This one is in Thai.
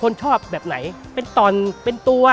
คนชอบแบบไหนเป็นตอนเป็นตัวเป็นน้ำก็โอเค